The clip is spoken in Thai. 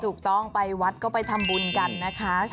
ถูกต้องไปวัดก็ไปทำบุญกันนะคะ